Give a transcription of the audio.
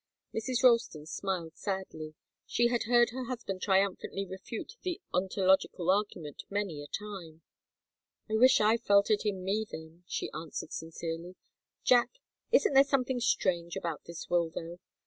Mrs. Ralston smiled sadly. She had heard her husband triumphantly refute the ontological argument many a time. "I wish I felt it in me, then," she answered, sincerely. "Jack isn't there something strange about this will, though?